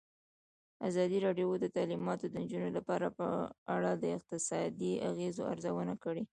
ازادي راډیو د تعلیمات د نجونو لپاره په اړه د اقتصادي اغېزو ارزونه کړې.